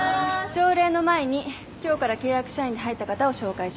朝礼の前に今日から契約社員で入った方を紹介します。